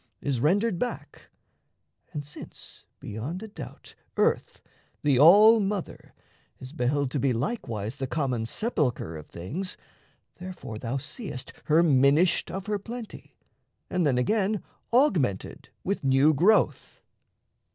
Is rendered back; and since, beyond a doubt, Earth, the all mother, is beheld to be Likewise the common sepulchre of things, Therefore thou seest her minished of her plenty, And then again augmented with new growth.